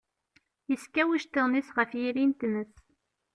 yeskaw iceṭṭiḍen-is ɣef yiri n tmes.